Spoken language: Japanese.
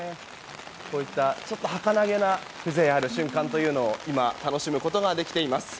こういったちょっとはかなげな風情ある瞬間を今、楽しむことができています。